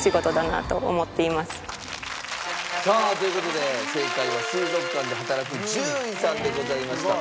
さあという事で正解は水族館で働く獣医さんでございました。